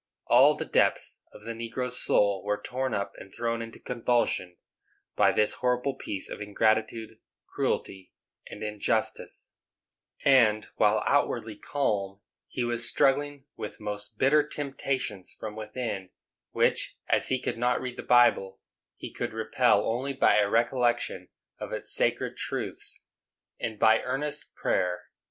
All the depths of the negro's soul were torn up and thrown into convulsion by this horrible piece of ingratitude, cruelty and injustice; and, while outwardly calm, he was struggling with most bitter temptations from within, which, as he could not read the Bible, he could repel only by a recollection of its sacred truths, and by earnest prayer.